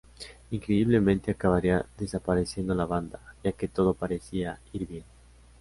Increíblemente acabaría desapareciendo la banda, ya que todo parecía ir bien.